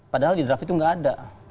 padahal di draft itu nggak ada